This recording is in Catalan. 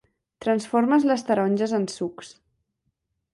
Transformes les taronges en sucs.